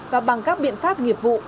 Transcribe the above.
và bằng các biện pháp nghiệp vụ